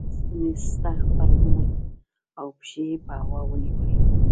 ستونی ستغ پر ووت او پښې یې په هوا ونیولې.